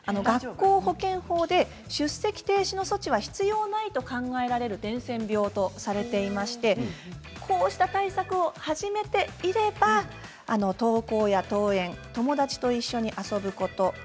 学校保健法で出席停止の措置は必要ないと考えられる伝染病とされていましてこうした対策を始めていれば登校や登園友達と一緒に遊ぶこと